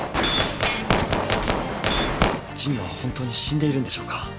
神野はホントに死んでいるんでしょうか？